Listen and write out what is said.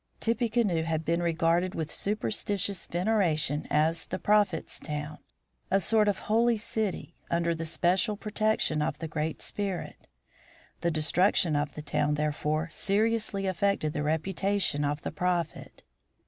Tippecanoe had been regarded with superstitious veneration as the Prophet's town, a sort of holy city, under the special protection of the Great Spirit. The destruction of the town, therefore, seriously affected the reputation of the Prophet.